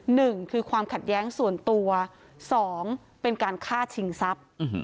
หนึ่งคือความขัดแย้งส่วนตัวสองเป็นการฆ่าชิงทรัพย์